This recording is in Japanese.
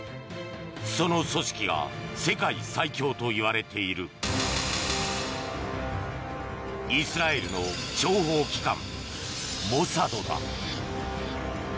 その組織が世界最恐といわれているイスラエルの諜報機関モサドだ。